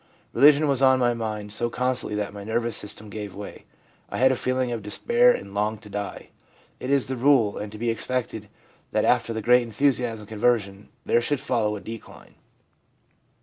Religion was on my mind so constantly that my nervous system gave way. I had a feeling of despair, and longed to die.' It is the rule, and to be expected that after the great enthusiasm of conversion there should follow a decline.